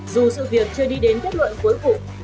dù sự việc chưa đi đến kết luận cuối cùng